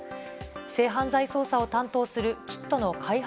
性犯罪捜査を担当するキットの開発